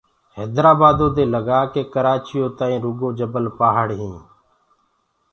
هيدرآبآدو دي لگآڪي ڪرآچيو تآئينٚ رگو جبل پهآڙينٚ